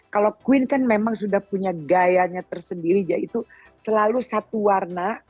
kalau queen kan memang sudah punya gayanya tersendiri yaitu selalu satu warna